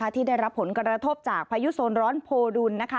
ที่ได้รับผลกระทบจากพายุโซนร้อนโพดุล